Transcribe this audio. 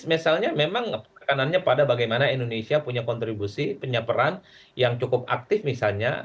misalnya memang tekanannya pada bagaimana indonesia punya kontribusi punya peran yang cukup aktif misalnya